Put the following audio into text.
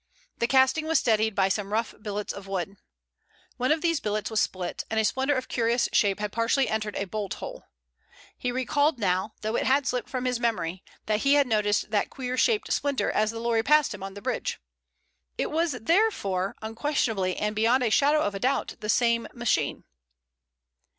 The casting was steadied by some rough billets of wood. One of these billets was split, and a splinter of curious shape had partially entered a bolt hole. He recalled now, though it had slipped from his memory, that he had noticed that queer shaped splinter as the lorry passed him on the bridge. It was therefore unquestionably and beyond a shadow of doubt the same machine.